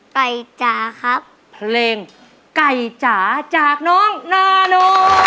ไก่จ๋าครับเพลงไก่จ๋าจากน้องนาโน